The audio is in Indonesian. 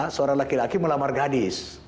seorang laki laki melamar gadis